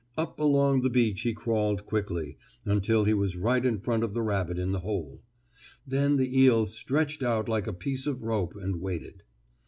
Up along the beach he crawled quickly, until he was right in front of the rabbit in the hole. Then the eel stretched out like a piece of rope and waited.